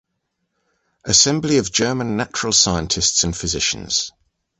Assembly of German Natural Scientists and Physicians".